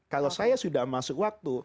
kalau saya sudah masuk waktu